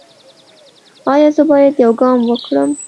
ایا زه باید یوګا وکړم؟